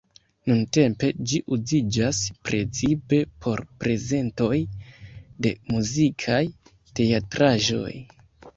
Nuntempe ĝi uziĝas precipe por prezentoj de muzikaj teatraĵoj.